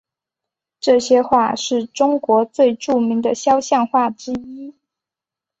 这些画是中国最著名的肖像画之一。